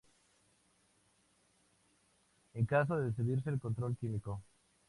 En caso de decidirse el control químico.